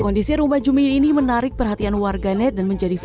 kondisi rumah jumini ini menarik perhatian warga net dan menjadi film